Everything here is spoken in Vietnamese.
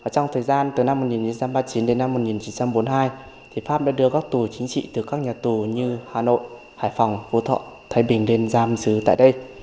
trong thời gian từ năm một nghìn chín trăm ba mươi chín đến năm một nghìn chín trăm bốn mươi hai pháp đã đưa các tù chính trị từ các nhà tù như hà nội hải phòng phố thái bình đến giam sứ tại đây